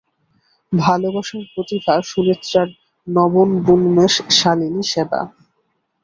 ভালোবাসার প্রতিভা সুনেত্রার নবনবোন্মেষশালিনী সেবা।